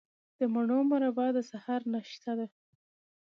د مڼو مربا د سهار ناشته ده.